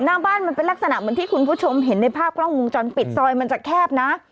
หน้าบ้านมันเป็นลักษณะเหมือนที่คุณผู้ชมเห็นในภาพกล้องวงจรปิดซอยมันจะแคบนะ